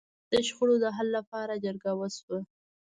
د شخړو د حل لپاره جرګه وشوه.